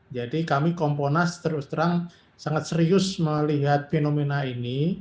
jadi kami kompolnas terus terang sangat serius melihat fenomena ini